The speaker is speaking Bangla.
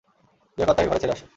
লিয়াকত, তাকে ঘরে ছেড়ে আসো।